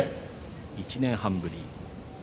１年半ぶり。